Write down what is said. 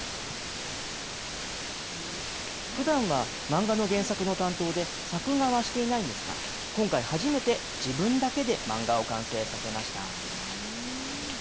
漫画の原作の担当で、作画はしていないんですが、今回初めて、自分だけで漫画を完成させました。